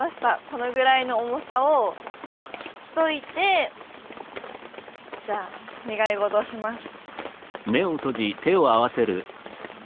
このぐらいの重さを知っといてじゃあ願い事をします。